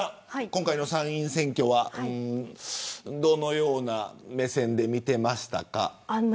今回の参院選挙はどのような目線で見ていましたか。